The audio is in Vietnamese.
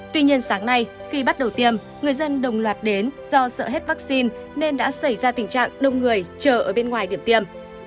tuy nhiên sáng nay khi bắt đầu tiêm người dân đồng loạt đến do sợ hết vaccine nên đã xảy ra tình trạng đông người chờ ở bên ngoài điểm tiêm